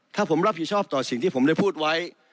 ถ้าผมรับผิดชอบต่อสิ่งที่ผมได้พูดไว้